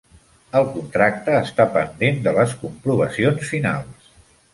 El contracte està pendent de les comprovacions finals.